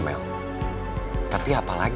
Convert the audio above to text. itu penjalan pulang